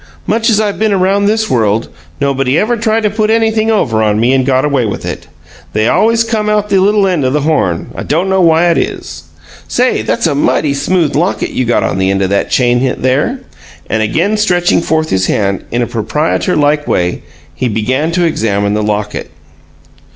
"Much as I been around this world, nobody ever tried to put anything over on me and got away with it. They always come out the little end o' the horn; I dunno why it is. Say, that's a mighty smooth locket you got on the end o' that chain, there." And again stretching forth his hand, in a proprietor like way, he began to examine the locket.